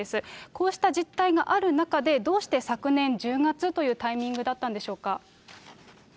こうした実態がある中で、どうして昨年１０月というタイミングだったんでしょうか。